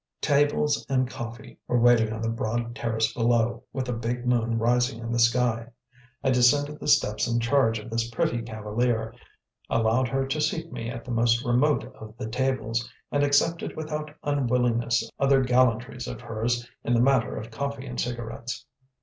Tables and coffee were waiting on the broad terrace below, with a big moon rising in the sky. I descended the steps in charge of this pretty cavalier, allowed her to seat me at the most remote of the tables, and accepted without unwillingness other gallantries of hers in the matter of coffee and cigarettes.